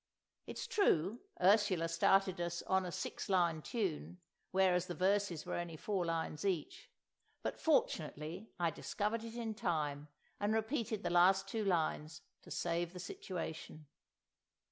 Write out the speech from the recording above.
It's true, Ursula started us on a six lined tune, whereas the verses were only four lines each, but I fortunately discovered it in time, and repeated the last two lines to save the situation.